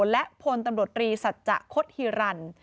และพลตำรวจรีสัจจะคดฮิรัน